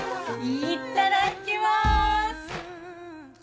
いただきます！